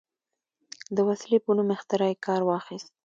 د وسلې په نوم اختراع یې کار واخیست.